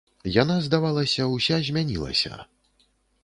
Яна, здавалася, уся змянілася.